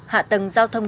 hạ tầng giao thông